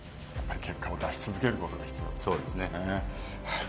結果を出し続けることが必要だということですね。